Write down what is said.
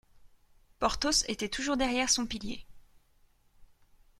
Porthos était toujours derrière son pilier.